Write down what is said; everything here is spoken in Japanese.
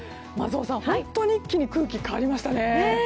松尾さん、本当に一気に空気が変わりましたね。